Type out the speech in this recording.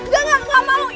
ga mau gua mau